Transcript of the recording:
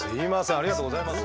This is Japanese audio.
ありがとうございます。